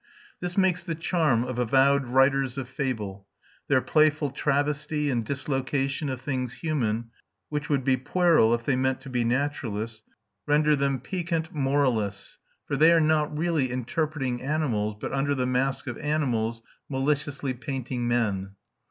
This makes the charm of avowed writers of fable; their playful travesty and dislocation of things human, which would be puerile if they meant to be naturalists, render them piquant moralists; for they are not really interpreting animals, but under the mask of animals maliciously painting men.